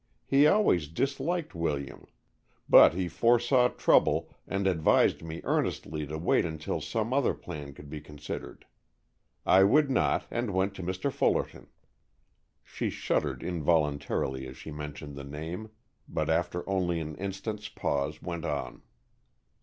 He always disliked William. But he foresaw trouble, and advised me earnestly to wait until some other plan could be considered. I would not, and went to Mr. Fullerton." She shuddered involuntarily as she mentioned the name, but after only an instant's pause went on.